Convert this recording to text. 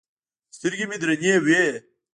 سترګې مې درنې وې.